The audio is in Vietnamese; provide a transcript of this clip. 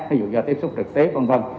ví dụ do tiếp xúc trực tiếp v v